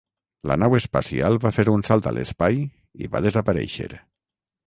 La nau espacial va fer un salt a l"espai i va desaparèixer.